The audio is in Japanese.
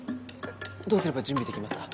どうすれば準備できますか？